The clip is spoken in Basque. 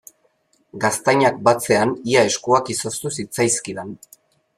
Gaztainak batzean ia eskuak izoztu zitzaizkidan.